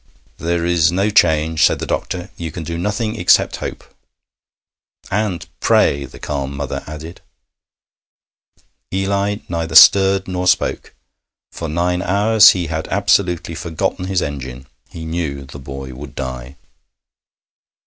'There is no change,' said the doctor. 'You can do nothing except hope.' 'And pray,' the calm mother added. Eli neither stirred nor spoke. For nine hours he had absolutely forgotten his engine. He knew the boy would die.